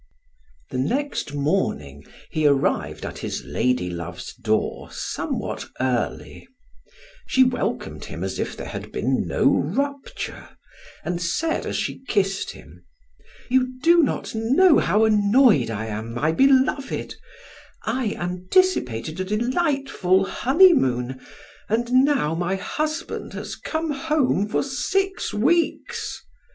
The next morning he arrived at his lady love's door somewhat early; she welcomed him as if there had been no rupture, and said as she kissed him: "You do not know how annoyed I am, my beloved; I anticipated a delightful honeymoon and now my husband has come home for six weeks.